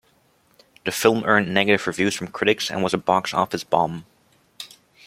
The film earned negative reviews from critics and was a box office bomb.